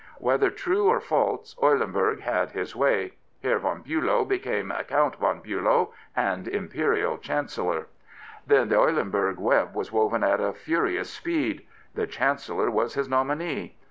Whether true or false, Eulenburg had his way. Herr von Biilow became Count von Biilow and Imperial ChanceHor. Then the Eulen burg web was woven at a furious speed. The Chan cellor was his nominee.